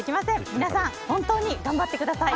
皆さん、本当に頑張ってください。